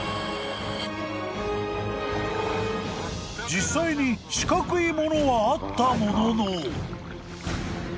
［実際に四角いものはあったものの］